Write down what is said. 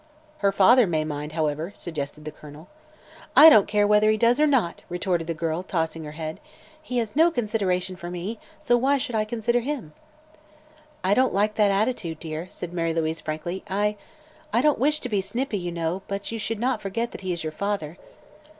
"Her father may mind, however," suggested the Colonel. "I don't care whether he does or not," retorted the girl, tossing her head. "He has no consideration for me, so why should I consider him?" "I don't like that attitude, dear," said Mary Louise frankly. "I I don't wish to be snippy, you know, but you should not forget that he is your father."